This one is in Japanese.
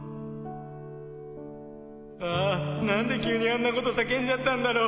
あー、なんで急にあんなこと叫んじゃったんだろう？